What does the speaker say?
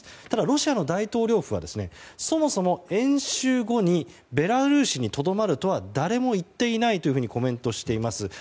ただ、ロシアの大統領府はそもそも演習後にベラルーシにとどまるとは誰も言っていないというふうにコメントしています。